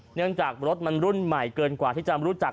เนื่องจากรถมันรุ่นใหม่เกินกว่าที่จะรู้จัก